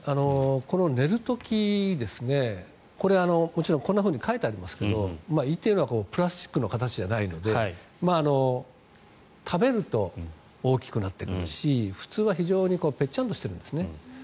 この寝る時これ、もちろんこんなふうに書いてありますが胃っていうのはプラスチックの形ではないので食べると、大きくなってくるし普通はぺちゃんとしてるんですね。